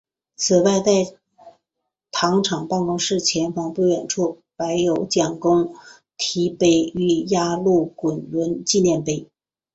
此外在糖厂办公室前方不远处摆有蒋公堤碑与压路滚轮纪念碑。